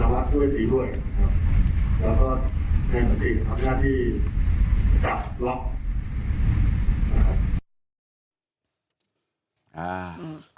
แล้วก็แทนสถิติทำหน้าที่จับล็อก